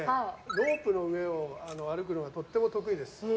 ロープの上を歩くのがとっても得意です。